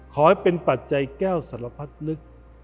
ขอให้เป็นปัจจัยแก้วสารพัดนึก